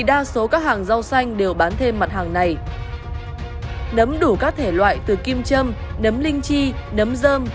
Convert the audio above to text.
đa số người bán hàng đều khẳng định là hàng việt nam